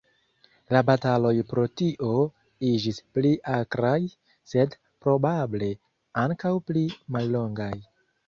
La bataloj pro tio iĝis pli akraj, sed probable ankaŭ pli mallongaj.